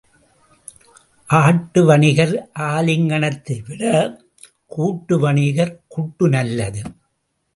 ஆட்டு வாணிகர் ஆலிங்கனத்தைவிடக் கூட்டு வாணிகர் குட்டு நல்லது.